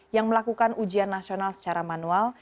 yang melakukan ujian nasional secara manual